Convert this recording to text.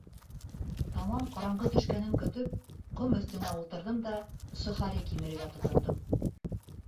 Тамам ҡараңғы төшкәнен көтөп, ҡом өҫтөнә ултырҙым да сохари кимерергә тотондом.